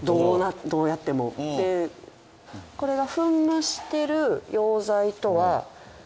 でこれが。